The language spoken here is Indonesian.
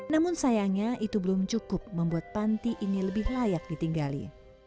namun sayangnya itu belum cukup membuat panti ini lebih layak ditinggali